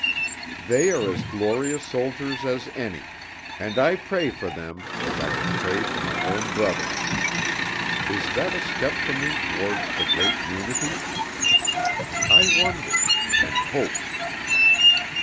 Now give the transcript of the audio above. They are as glorious soldiers as any, and I pray for them as I would pray for my own brothers. Is that a step for me towards the great unity? I wonder and hope.